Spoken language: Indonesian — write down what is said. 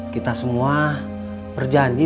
kita semua berjanji